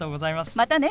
またね。